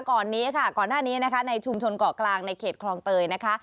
ก่อนหน้านี้ในชุมชนเกาะกลางในเขตครองเตยนะคะ